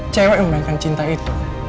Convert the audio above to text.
cewek yang membahangkan cinta itu